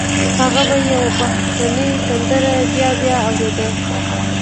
هغه به يوه بهرنۍ سندره بيا بيا اورېده.